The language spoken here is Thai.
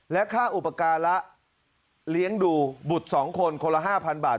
และค่าอุปการะเลี้ยงดูบุตร๒คนคนละ๕๐๐บาท